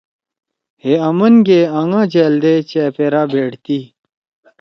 ہئے آمنگے آنگا جألدے چأپیرا بھیڑتی۔